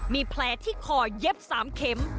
มีแผลที่คอเย็บ๓เข็ม